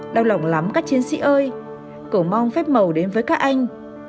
đau lòng lắm các chiến sĩ ơi cầu mong phép màu đến với các anh